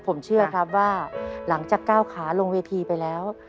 ผมเชื่อครับว่าหลังจากก้าวขาลงเวทีไปแล้ว